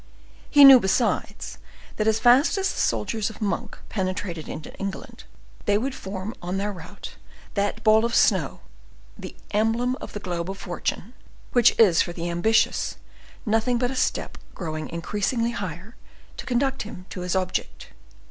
He knew, besides, that as fast as the soldiers of Monk penetrated into England, they would form on their route that ball of snow, the emblem of the globe of fortune, which is for the ambitious nothing but a step growing unceasingly higher to conduct him to his object.